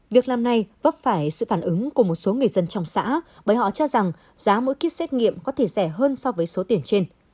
việc làm này vấp phải sự phản ứng của một số người dân trong xã bởi họ cho rằng giá mỗi kit xét nghiệm có thể rẻ hơn so với số tiền trên